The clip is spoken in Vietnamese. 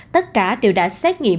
tất cả đều đã xét nghiệm